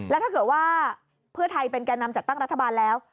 แล้วถ้าเกิดว่าเพื่อไทยเป็นแก่นำจัดตั้งรัฐบาลแล้ว